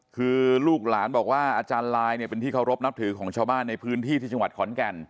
คือลูกหลานบอกว่าอาจารย์ลายเนี่ยเป็นที่เคารพนับถือของชาวบ้านในพื้นที่ที่จังหวัดขอนแก่น